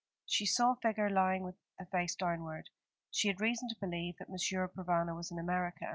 She saw a figure lying with the face downward. She had reason to believe that Monsieur Provana was in America.